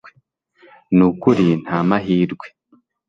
Nukuri ntamahirwe